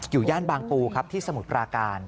ย่านบางปูครับที่สมุทรปราการ